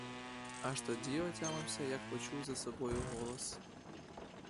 Аж тоді отямився, як почув за собою голос.